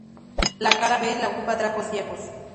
La cara B la ocupa Trapos viejos.